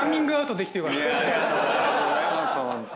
ありがとうございますホント。